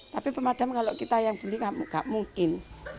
tapi pemadam kalau kita yang beli nggak mungkin